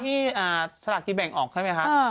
ที่สลากกินแบ่งออกใช่ไหมคะ